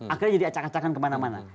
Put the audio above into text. akhirnya jadi acak acakan kemana mana